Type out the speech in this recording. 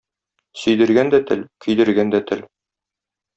Сөйдергән дә тел, көйдергән дә тел.